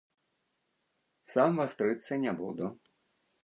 Сам вастрыцца не буду.